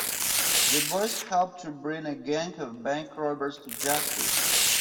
The boys help to bring a gang of bank robbers to justice.